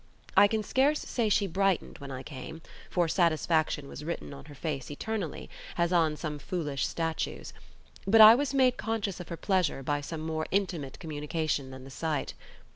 I can scarce say she brightened when I came, for satisfaction was written on her face eternally, as on some foolish statue's; but I was made conscious of her pleasure by some more intimate communication than the sight.